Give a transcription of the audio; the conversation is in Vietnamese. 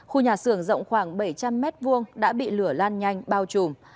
khu nhà xưởng rộng khoảng bảy trăm linh m hai đã bị lửa lan nhanh bao trùm